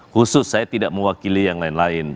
khusus saya tidak mewakili yang lain lain